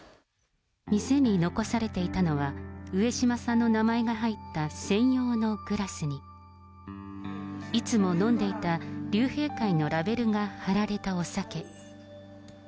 店に残されていたのは、上島さんの名前が入った専用のグラスに、いつも飲んでいた竜兵会のラベルが貼られたお酒。